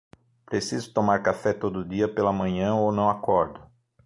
Preciso tomar café todo dia pela manhã ou não acordo.